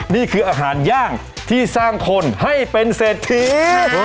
นี่คืออาหารย่างที่สร้างคนให้เป็นเศรษฐี